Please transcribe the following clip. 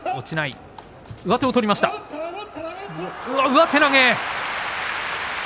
上手投げ。